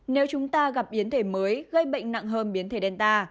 nếu chúng ta gặp yến thể mới gây bệnh nặng hơn biến thể delta